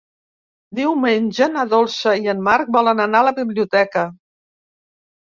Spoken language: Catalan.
Diumenge na Dolça i en Marc volen anar a la biblioteca.